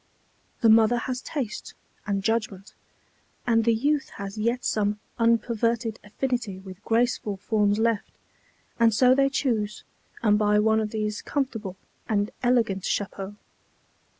The mother has taste and judgment, and the youth has yet some unperverted affinity with graceful forms left, and so they choose and buy one of these comfortable and elegant chapeaux.